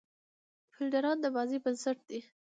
فیلډران د بازۍ بېنسټ دي.